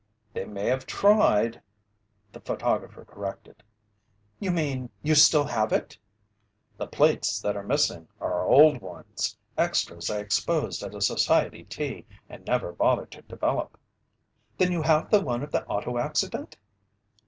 "They may have tried," the photographer corrected. "You mean you still have it?" "The plates that are missing are old ones, extras I exposed at a society tea and never bothered to develop." "Then you have the one of the auto accident?"